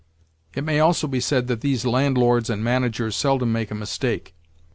It may also be said that these landlords and managers seldom make a mistake.